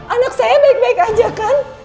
anak saya baik baik aja kan